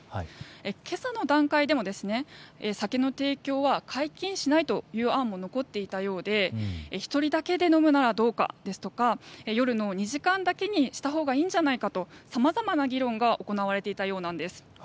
今朝の段階でも、酒の提供は解禁しないという案も残っていたようで１人だけで飲むならどうか、とか夜の２時間だけにしたほうがいいんじゃないかとさまざまな議論が行われていたようです。